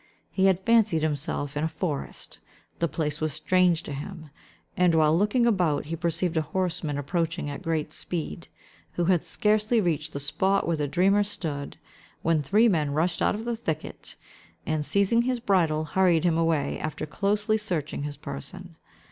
He had fancied himself in a forest; the place was strange to him; and, while looking about, he perceived a horseman approaching at great speed, who had scarcely reached the spot where the dreamer stood, when three men rushed out of the thicket, and, seizing his bridle, hurried him away, after closely searching his person.